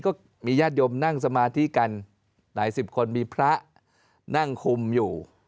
ก็มีญาติโยมนั่งสมาธิกันหลายสิบคนมีพระนั่งคุมอยู่